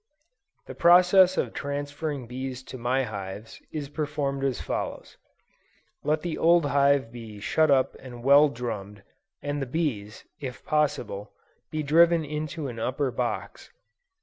The process of transferring bees to my hives, is performed as follows. Let the old hive be shut up and well drummed and the bees, if possible, be driven into an upper box.